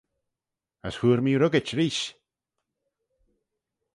As hooar mee ruggyt reesht.